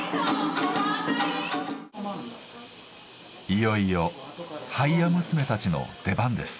いよいよハイヤ娘たちの出番です。